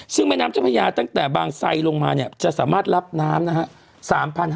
ซึ่งแม่น้ำเจ้าพญาตั้งแต่บางไซลงมาเนี่ยจะสามารถรับน้ำนะฮะ